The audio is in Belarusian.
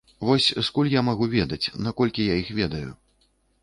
Вось скуль я магу ведаць, наколькі я іх ведаю.